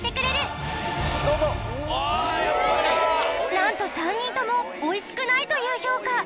なんと３人ともオイシくないという評価